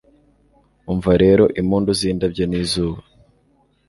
umva rero impundu zindabyo nizuba